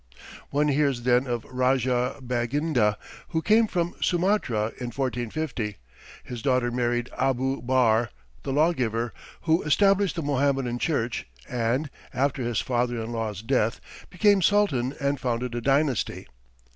One hears then of Raja Baginda, who came from Sumatra in 1450; his daughter married Abu Bahr, the law giver, who established the Mohammedan Church and, after his father in law's death, became sultan and founded a dynasty.